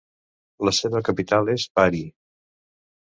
La seva capital és Bari.